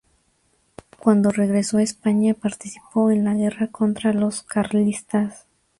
Cuando regresó a España participó en la guerra contra los carlistas.